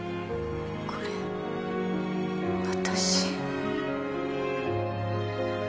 これ私？